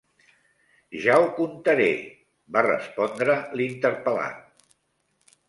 Ja ho contaré- va respondre l'interpel·lat.